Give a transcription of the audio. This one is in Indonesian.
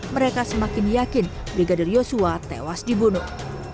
mereka semakin yakin brigadir yosua tewas dibunuh